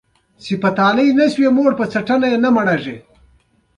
وزې د سبزیو بوټي ژر پېژني